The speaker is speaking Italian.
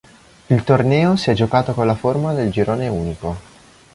Il torneo si è giocato con la formula del girone unico.